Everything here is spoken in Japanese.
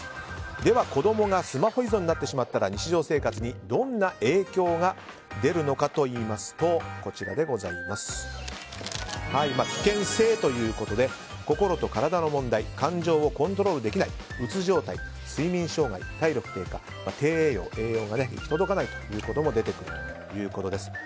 では子供がスマホ依存になってしまったら日常生活にどんな影響が出るのかといいますと危険性ということで心と体の問題感情をコントロールできないうつ状態、睡眠障害体力低下、低栄養栄養が行き届かないということも出てくるということです。